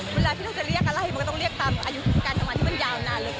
เวลาที่เราจะเรียกอะไรมันก็ต้องเรียกตามอายุการทำงานที่มันยาวนานเลย